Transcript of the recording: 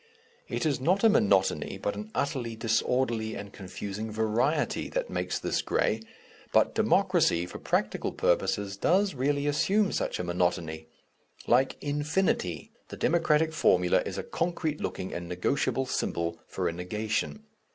It is not a monotony, but an utterly disorderly and confusing variety that makes this grey, but Democracy, for practical purposes, does really assume such a monotony. Like 'infinity', the Democratic formula is a concrete looking and negotiable symbol for a negation.